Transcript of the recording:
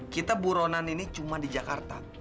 kita buronan ini cuma di jakarta